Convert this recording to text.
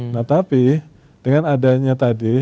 nah tapi dengan adanya tadi